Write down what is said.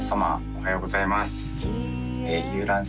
おはようございますゆうらん